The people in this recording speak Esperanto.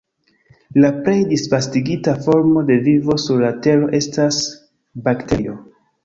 La plej disvastigita formo de vivo sur la Tero estas bakterio.